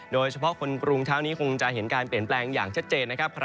โดยเฉพาะคนกรุงเช้านี้คงจะเห็นการเปลี่ยนแปลงอย่างชัดเจนนะครับ